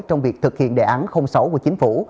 trong việc thực hiện đề án sáu của chính phủ